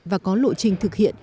và có lộ trình thực hiện